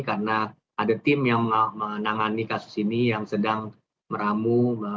karena ada tim yang menangani kasus ini yang sedang meramu